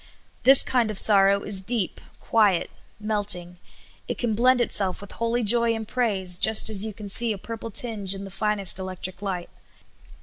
This kind of sorrow is deep, quiet, melting ; it can blend itself with holy joy and praise, just as 3^ou can see a purple tinge in the finest electric light.